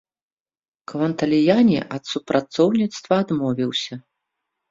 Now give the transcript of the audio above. Кванталіяні ад супрацоўніцтва адмовіўся.